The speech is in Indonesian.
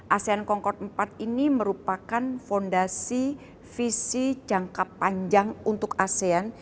asean concord empat ini merupakan fondasi visi jangka panjang untuk asean